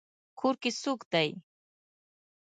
کور کې څوک دی؟